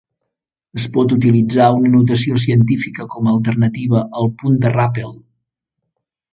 Es pot utilitzar una notació científica com a alternativa al punt de ràpel.